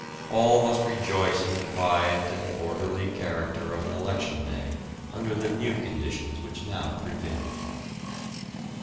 All must rejoice in the quiet and orderly character of an election day under the new conditions which now prevail.